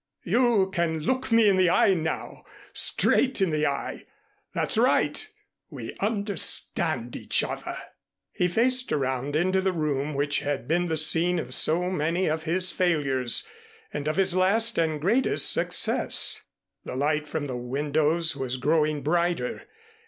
You can look me in the eye now, straight in the eye. That's right. We understand each other." He faced around into the room which had been the scene of so many of his failures, and of his last and greatest success. The light from the windows was growing brighter.